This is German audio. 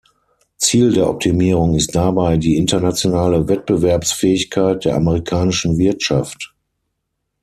Ziel der Optimierung ist dabei die internationale Wettbewerbsfähigkeit der amerikanischen Wirtschaft.